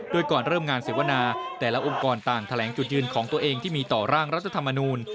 โดยก่อนเริ่มงานเสวนาแต่ละองค์กรต่างแถลงจุดยืนของตัวเองที่มีต่อร่างรัฐธรรมนูล